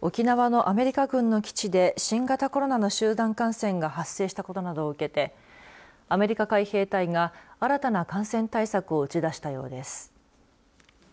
沖縄のアメリカ軍の基地で新型コロナの集団感染が発生したことなどを受けてアメリカ海兵隊が新たな感染対策を打ち出したようです。